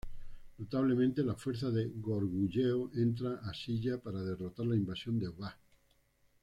Notablemente, la fuerza de Goguryeo entró a Silla para derrotar la invasión de Wa.